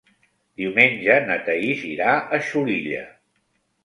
Diumenge na Thaís irà a Xulilla.